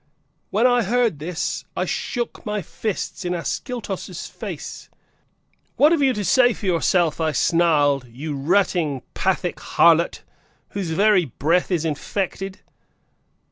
When I heard this, I shook my fists in Ascyltos' face, "What have you to say for yourself," I snarled, "you rutting pathic harlot, whose very breath is infected?"